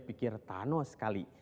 dia pikir tanoh sekali